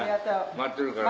待ってるから。